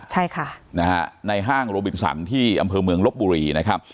ใช่ค่ะนะฮะในห้างโรบินสันที่อำเภอเมืองลบบุรีนะครับ